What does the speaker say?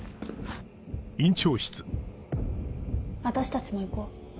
私たちも行こう。